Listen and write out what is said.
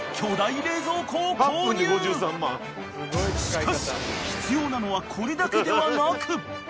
［しかし必要なのはこれだけではなく］